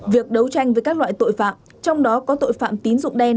việc đấu tranh với các loại tội phạm trong đó có tội phạm tín dụng đen